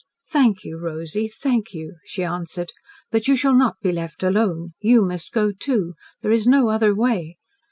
"Thank you, Rosy thank you," she answered. "But you shall not be left alone. You must go, too. There is no other way.